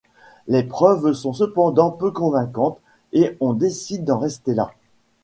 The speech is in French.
Les preuves sont cependant peu convaincantes et on décide d'en rester là.